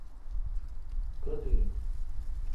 کتھ این۔